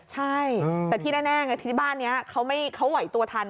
ใช่แต่ที่แน่ไงที่บ้านนี้เขาไหวตัวทัน